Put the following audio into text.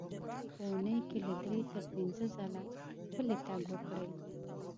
په اوونۍ کې له درې تر پنځه ځله پلی تګ وکړئ.